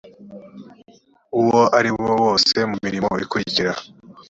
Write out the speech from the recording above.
uwo ariwo wose mu mirimo ikurikira